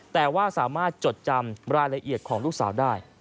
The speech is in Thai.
แต่ว่าสามารถจดจำรายละเอียดของลูกสาวได้